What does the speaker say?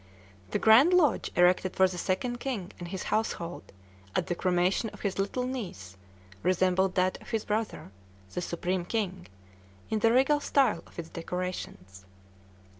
The grand lodge erected for the Second King and his household, at the cremation of his little niece, resembled that of his brother, the Supreme King, in the regal style of its decorations.